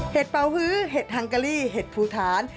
เห็ดเป่าพื้นเห็ดฮังกะลี่เห็ดพูทาน